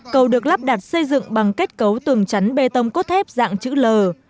cầu được lắp đặt xây dựng bằng kết cấu tường chắn bê tông cốt thép dạng chữ l